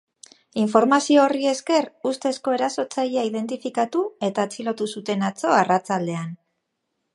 Informazio horri esker ustezko erasotzailea identifikatu eta atxilotu zuten atzo arratsaldean.